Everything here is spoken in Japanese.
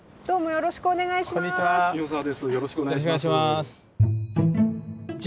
よろしくお願いします。